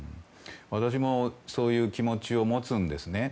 私もそういう気持ちを持つんですね。